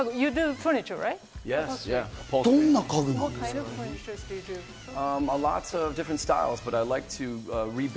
どんな家具なんですか？